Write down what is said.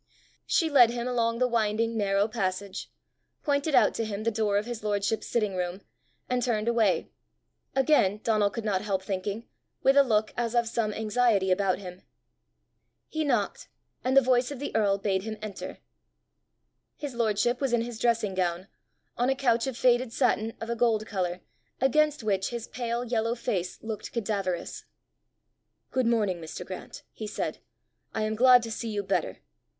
She led him along the winding narrow passage, pointed out to him the door of his lordship's sitting room, and turned away again, Donal could not help thinking, with a look as of some anxiety about him. He knocked, and the voice of the earl bade him enter. His lordship was in his dressing gown, on a couch of faded satin of a gold colour, against which his pale yellow face looked cadaverous. "Good morning, Mr. Grant," he said. "I am glad to see you better!"